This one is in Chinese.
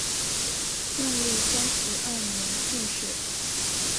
万历三十二年进士。